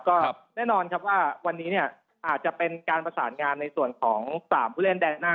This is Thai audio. ก็แน่นอนครับว่าวันนี้เนี่ยอาจจะเป็นการประสานงานในส่วนของ๓ผู้เล่นแดนหน้า